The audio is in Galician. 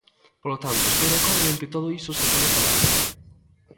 Polo tanto, estou de acordo en que todo iso se pode falar.